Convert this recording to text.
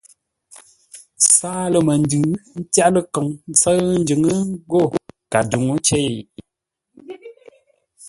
Sâa lə məndʉ tyár ləkoŋ ńtsə́ʉ njʉŋə́ ńgó kadǔŋcei.